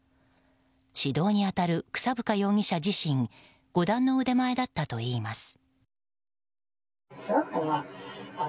指導に当たる草深容疑者自身五段の腕前だったといいます。